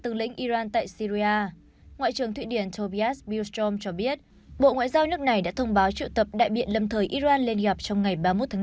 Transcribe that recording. ngoại trưởng thụy điển tobias bilstrom cho biết bộ ngoại giao nước này đã thông báo triệu tập đại biện lâm thời iran lên gặp trong ngày ba mươi một tháng năm